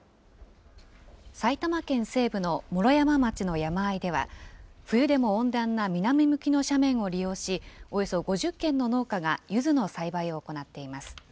埼玉県西部の毛呂山町の山あいでは、冬でも温暖な南向きの斜面を利用し、およそ５０軒の農家がゆずの栽培を行っています。